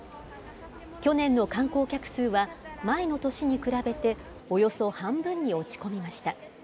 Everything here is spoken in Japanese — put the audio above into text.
去年の観光客数は、前の年に比べておよそ半分に落ち込みました。